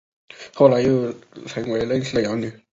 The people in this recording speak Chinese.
后来又成为任氏的养女。